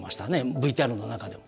ＶＴＲの中でも。